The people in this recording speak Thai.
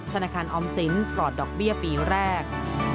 ธนาคารออมสินปลอดดอกเบี้ยปีแรก